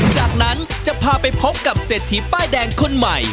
จากนั้นจะพาไปพบกับเศรษฐีป้ายแดงคนใหม่